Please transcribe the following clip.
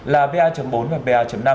pa bốn và pa năm